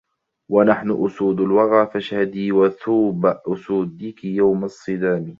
وَنَحْنُ أُسُودُ الْوَغَى فَاشْهَدِي وُثُوبَ أُسُودِكِ يَوْمَ الصِّدَامْ